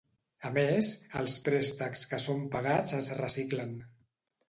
A més, els préstecs que són pagats es reciclen.